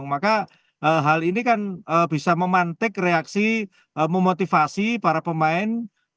maka hal ini kan bisa memantik reaksi memotivasi para pemain